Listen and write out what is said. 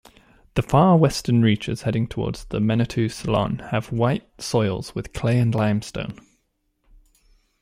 The far western reaches heading towards Menetou-Salon have "white" soils with clay and limestone.